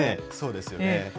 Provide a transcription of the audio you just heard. そうですよね。